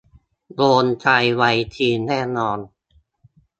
โดนใจวัยทีนแน่นอน